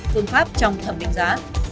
phương pháp trong thẩm định giá